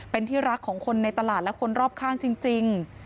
เป็นที่รักของคนในตลาดและคนรอบข้างจริง